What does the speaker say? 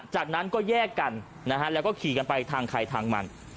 จากนั้นก็แยกกันนะฮะแล้วก็ขี่กันไปทางใครทางมัน